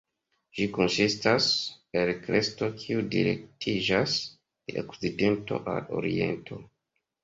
Ĝi konsistas el kresto kiu direktiĝas de okcidento al oriento.